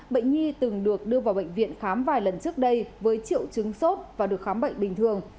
bệnh nhi từng được đưa vào bệnh viện khám vài lần trước đây với triệu chứng sốt và được khám bệnh bình thường